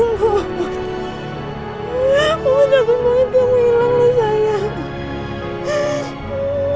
mama satu satunya kamu hilang lah sayang